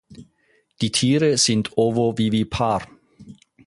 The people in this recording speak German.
Die Tiere sind ovovivipar.